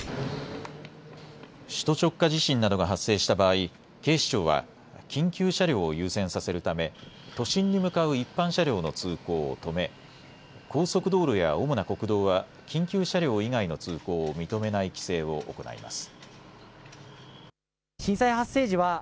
首都直下地震などが発生した場合、警視庁は緊急車両を優先させるため都心に向かう一般車両の通行を止め、高速道路や主な国道は緊急車両以外の通行を認めない規制を行います。